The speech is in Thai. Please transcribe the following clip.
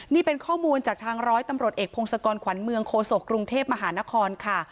นี่เป็นข้อมูลจากทางร้อยตำรวจเอกพงศกรขวัญเมืองโคศกกรุงเทพมหานครค่ะ